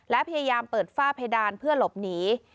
และพยายามเปิดฝ้าเพดานเพื่อหลบหนี